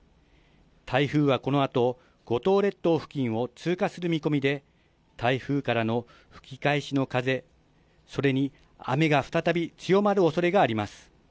台風はこのあと、五島列島付近を通過する見込みで台風からの吹き返しの風、それに雨が再び強まるおそれがあります。